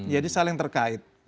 jadi saling terkait